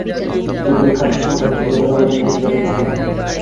তদুপরি খাদ্যসঙ্কট কিংবা জনবলের কমতি তাদের ছিল না।